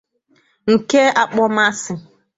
nke akpọmasị